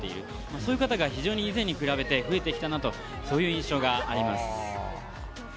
そういう方が非常に以前と比べて増えてきたなという印象があります。